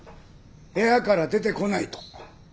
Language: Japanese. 部屋から出てこないと。